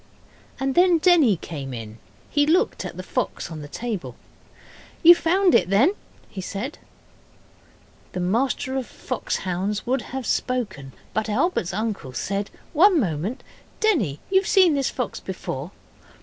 And then Denny came in. He looked at the fox on the table. 'You found it, then?' he said. The M.F.H. would have spoken but Albert's uncle said, 'One moment, Denny; you've seen this fox before?